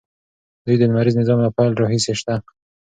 دوی د لمریز نظام له پیل راهیسې شته.